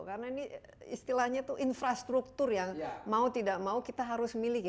karena ini istilahnya itu infrastruktur yang mau tidak mau kita harus miliki